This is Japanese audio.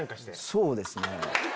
そうですね。